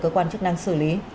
cơ quan chức năng xử lý